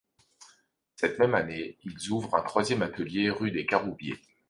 Cette même année, ils ouvrent un troisième atelier, rue des Caroubiers.